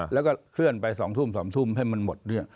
แล้วก็เคลื่อนไปสองทุ่มสามทุ่มให้มันหมด